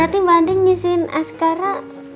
berarti banding nyusuin askara